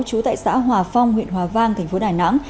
trú tại xã hòa phong huyện hòa vang tp đà nẵng